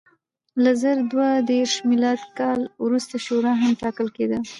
له زر دوه دېرش میلادي کال وروسته شورا هم ټاکل کېده.